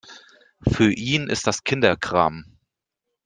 Für ihn ist das Kinderkram.